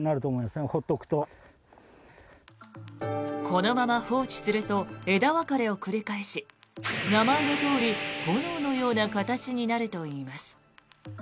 このまま放置すると枝分かれを繰り返し名前のとおり炎のような形になるといいます。